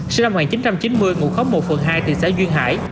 sinh năm một nghìn chín trăm chín mươi ngụ khóc một phần hai thị xã duyên hải